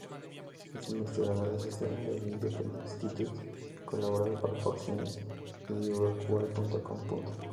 Es investigadora asociada del Independent Institute y colaboradora para Fox News y LewRockwell.com.